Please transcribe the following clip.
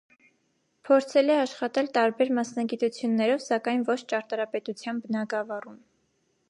Փորձել է աշխատել տարբեր մասնագիտություններով, սակայն ոչ ճարտարապետության բնագավառում։